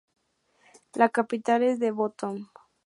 La capital es The Bottom.